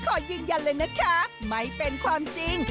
ผัวไปเถินเอาผัวไปเถินเอาผัวไปเถินเอาผัวไปเถิน